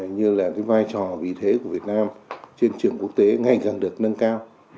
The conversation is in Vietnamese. như là cái vai trò vị thế của việt nam trên trường quốc tế ngày càng được nâng cao